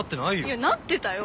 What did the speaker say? いやなってたよ！